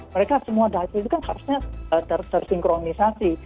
mereka semua data itu kan harusnya tersinkronisasi